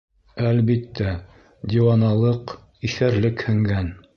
Әлбиттә, диуаналыҡ, иҫәрлек һеңгән.